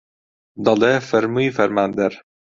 دەڵێ فەرمووی فەرماندەر